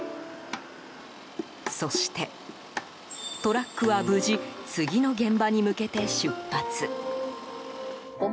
そして、トラックは無事次の現場に向けて出発。